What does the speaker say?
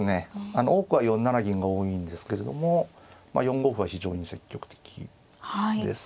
多くは４七銀が多いんですけれども４五歩は非常に積極的です。